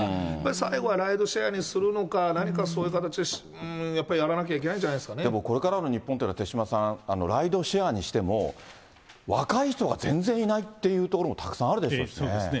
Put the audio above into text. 最後はライドシェアにするのか、何かそういう形を、やっぱりやらなきゃいけないんじゃないですかでもこれからの日本というのは、手嶋さん、ライドシェアにしても、若い人が全然いないっていう所もたくさんあるでしょうね。